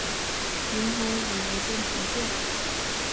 明洪武年间重建。